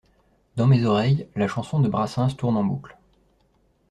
Dans mes oreilles, la chanson de Brassens tourne en boucle.